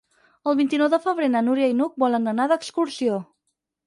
El vint-i-nou de febrer na Núria i n'Hug volen anar d'excursió.